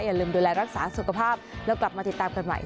อย่าลืมดูแลรักษาสุขภาพแล้วกลับมาติดตามกันใหม่